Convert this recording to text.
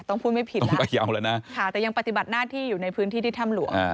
พูดไม่ผิดแล้วไม่เอาแล้วนะค่ะแต่ยังปฏิบัติหน้าที่อยู่ในพื้นที่ที่ถ้ำหลวง